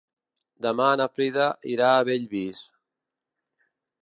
Demà na Frida irà a Bellvís.